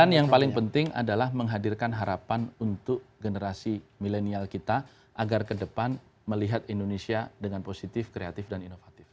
dan yang paling penting adalah menghadirkan harapan untuk generasi milenial kita agar kedepan melihat indonesia dengan positif kreatif dan inovatif